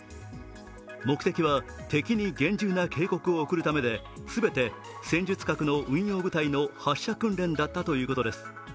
目的は敵に厳重な警告を送るためで全て戦術核の運用部隊の発射訓練だったということです。